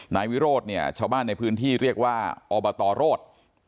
นายวิโรธเนี่ยชาวบ้านในพื้นที่เรียกว่าอบตรโรธ